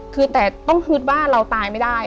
คือแต่ต้องฮึดว่าเราตายไม่ได้